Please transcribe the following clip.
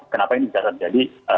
kenapa ini bisa terjadi